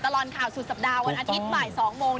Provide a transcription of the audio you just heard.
ตลอดข่าวสุดสัปดาห์วันอาทิตย์บ่าย๒โมง